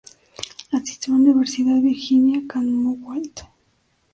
Asistió a la Universidad Virginia Commonwealth.